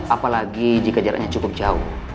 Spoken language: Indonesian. apalagi jika jaraknya cukup jauh